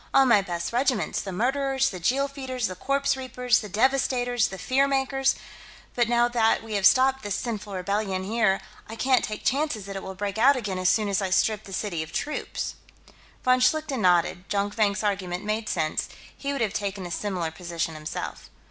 "All my best regiments: the Murderers, the Jeel Feeders, the Corpse Reapers, the Devastators, the Fear Makers. But, now that we have stopped this sinful rebellion, here, I can't take chances that it will break out again as soon as I strip the city of troops." Von Schlichten nodded. Jonkvank's argument made sense; he would have taken a similar position, himself.